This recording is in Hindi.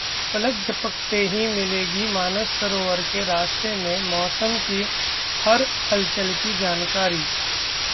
पलक झपकते ही मिलेगी मानसरोवर के रास्ते में मौसम की हर हलचल की जानकारी